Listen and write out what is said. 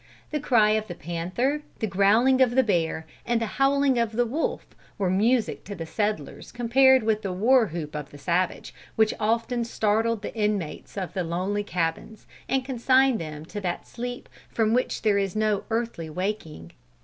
The cry of the panther, the growling of the bear, and the howling of the wolf, were music to the settlers compared with the war hoop of the savage, which often startled the inmates of the lonely cabins, and consigned them to that sleep from which there is no earthly waking.